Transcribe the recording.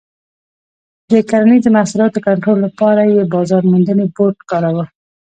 د کرنیزو محصولاتو کنټرول لپاره یې بازار موندنې بورډ کاراوه.